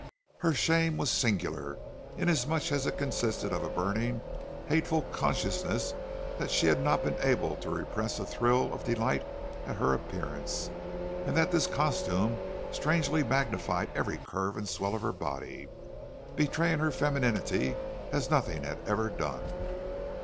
Her shame was singular, inasmuch as it consisted of a burning hateful consciousness that she had not been able to repress a thrill of delight at her appearance, and that this costume strangely magnified every curve and swell of her body, betraying her feminity as nothing had ever done.